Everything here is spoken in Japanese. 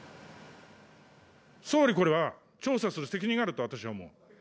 総理、これは、調査する責任があると私は思う。